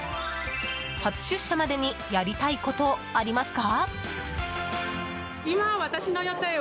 初出社までにやりたいことありますか？